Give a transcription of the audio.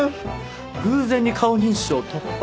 偶然に顔認証を突破。